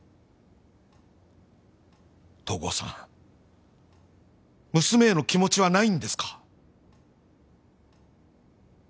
東郷さん娘への気持ちはないんですか？